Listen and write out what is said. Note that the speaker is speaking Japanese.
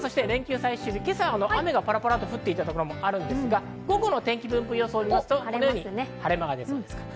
連休最終日、今朝は雨がパラパラっと降っていたところもあるんですが、午後の天気分布予想を見ると、晴れ間が出そうです。